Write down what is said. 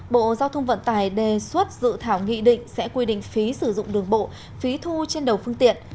bộ giao thông vận tải đề xuất dự thảo nghị định sẽ quy định phí sử dụng đường bộ phí thu trên đầu phương tiện